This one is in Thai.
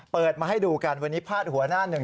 เปิดมาให้ดูกันวันนี้พาดหัวหน้าหนึ่ง